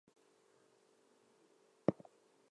At all times they are wrangling.